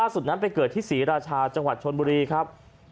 สุดนั้นไปเกิดที่ศรีราชาจังหวัดชนบุรีครับ